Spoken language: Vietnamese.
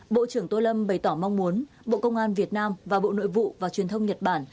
bộ trưởng tô lâm bày tỏ mong muốn bộ công an việt nam và bộ nội vụ và truyền thông nhật bản